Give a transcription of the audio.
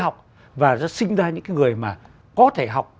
học và sinh ra những người mà có thể